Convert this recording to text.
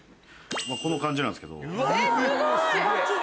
この感じなんですけど。